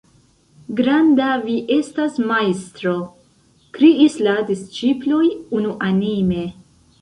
"Granda vi estas majstro!" Kriis la disĉiploj unuanime.